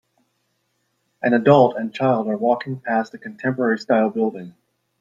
An adult and child are walking past a contemporarystyle building.